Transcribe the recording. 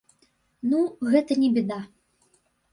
Ну, гэта не бяда!